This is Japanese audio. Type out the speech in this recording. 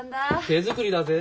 手作りだぜ。